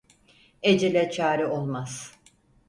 Ecele çare olmaz.